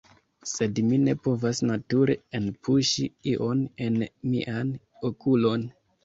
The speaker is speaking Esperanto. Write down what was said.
Sed mi ne povas nature enpuŝi ion en mian okulon